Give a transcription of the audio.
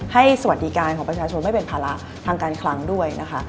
สวัสดีการของประชาชนไม่เป็นภาระทางการคลังด้วยนะคะ